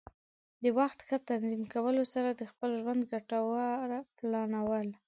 د وخت ښه تنظیم کولو سره د خپل ژوند ګټوره پلانول.